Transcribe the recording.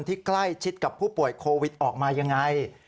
ที่ใกล้ชิดกับผู้ป่วยโควิดออกมายังไง